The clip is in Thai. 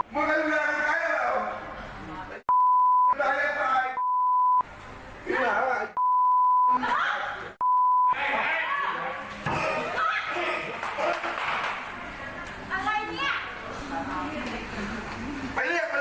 มึงไม่รู้อะไรกับใครเหรอ